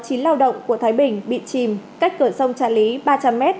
các tỉnh vùng đồng của thái bình bị chìm cách cửa sông trà lý ba trăm linh m